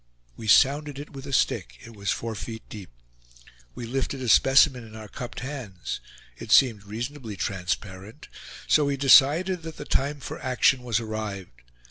We sounded it with a stick; it was four feet deep; we lifted a specimen in our cupped hands; it seemed reasonably transparent, so we decided that the time for action was arrived.